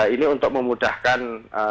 ini untuk memudahkan